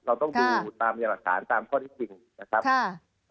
เราต้องดูตามพยายามหลักฐานตามข้อที่จริงนะครับ